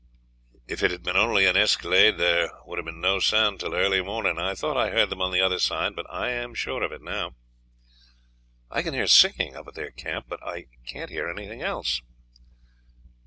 If it had been only an escalade there would have been no sound until nearly morning. I thought I heard them on the other side, but I am sure of it now." "I can hear singing up at their camp," Guy said, "but I don't hear anything else."